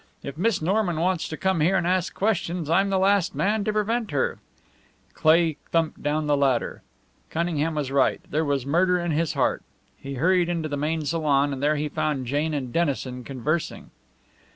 If Miss Norman wants to come here and ask questions, I'm the last man to prevent her." Cleigh thumped down the ladder. Cunningham was right there was murder in his heart. He hurried into the main salon, and there he found Jane and Dennison conversing.